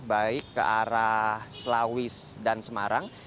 baik ke arah selawis dan semarang